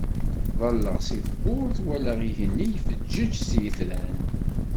Ḍalleɣ si tewwurt walaɣ igenni ifeǧǧeǧ s yitran.